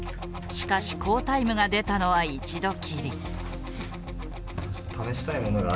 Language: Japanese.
しかし好タイムが出たのは一度きり。